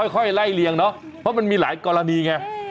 ค่อยไล่เลียงเนาะเพราะมันมีหลายกรณีไง